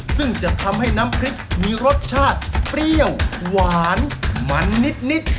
ซึ่งจะทำให้น้ำพริกมีรสชาติเปรี้ยวหวานมันนิด